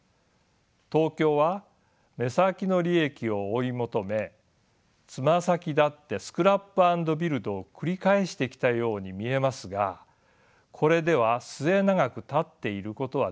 東京は目先の利益を追い求めつま先立ってスクラップ・アンド・ビルドを繰り返してきたように見えますがこれでは末永く立っていることはできません。